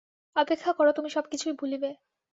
অপেক্ষা কর, তুমি সব কিছুই ভুলিবে।